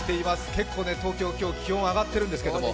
結構、東京今日は気温が上がってるんですけれども。